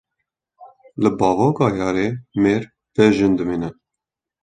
Li bavoka yarê mêr bê jin dimînin.